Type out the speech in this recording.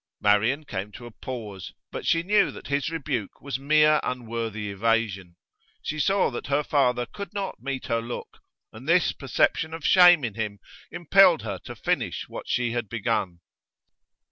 Marian came to a pause. But she knew that his rebuke was mere unworthy evasion; she saw that her father could not meet her look, and this perception of shame in him impelled her to finish what she had begun.